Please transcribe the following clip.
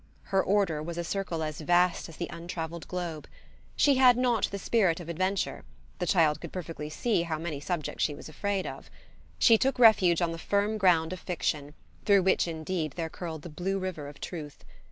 Her order was a circle as vast as the untravelled globe. She had not the spirit of adventure the child could perfectly see how many subjects she was afraid of. She took refuge on the firm ground of fiction, through which indeed there curled the blue river of truth.